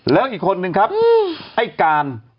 แล้วอีกคนนึงครับไอ้การ